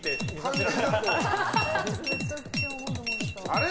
あれ？